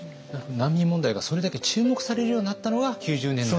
難民問題がそれだけ注目されるようになったのは９０年代なんだと。